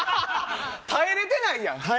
耐えれてないやん！